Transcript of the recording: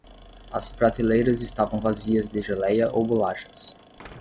As prateleiras estavam vazias de geléia ou bolachas.